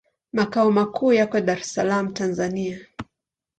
Makao makuu yako Dar es Salaam, Tanzania.